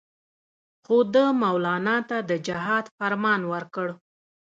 خو ده مولنا ته د جهاد فرمان ورکړ.